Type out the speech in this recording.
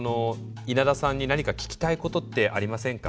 稲田さんに何か聞きたいことってありませんか？